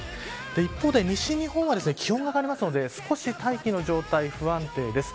一方で、西日本は気温が上がるので少し大気の状態不安定です。